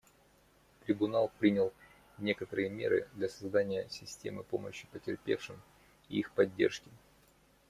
Трибунал принял некоторые меры для создания системы помощи потерпевшим и их поддержки.